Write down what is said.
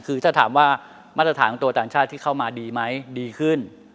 คือถ้าถามว่ามาตรฐานตัวต่างชาติที่เข้ามาดีไหมดีขึ้น